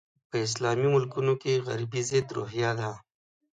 په اسلامي ملکونو کې غربي ضد روحیه ده.